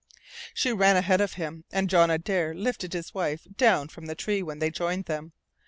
She ran ahead of him, and John Adare lifted his wife down from the tree when they joined them.